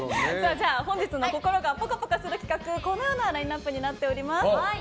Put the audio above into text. じゃあ本日の心がぽかぽかする企画このようなラインアップになっております。